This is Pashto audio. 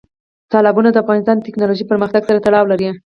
تالابونه د افغانستان د تکنالوژۍ پرمختګ سره تړاو لري.